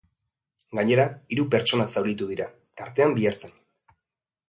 Gainera, hiru pertsona zauritu dira, tartean bi ertzain.